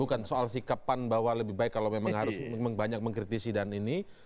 bukan soal sikap pan bahwa lebih baik kalau memang harus banyak mengkritisi dan ini